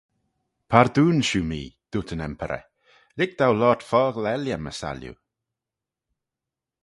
"Pardoon shiu mee. dooyrt yn Emperor ""lhig dou loayrt fockle elley my salliu""."